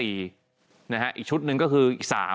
อีกชุดหนึ่งก็คืออีก๓